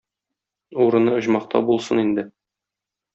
Урыны оҗмахта булсын инде.